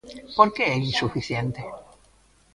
¿Por que é insuficiente?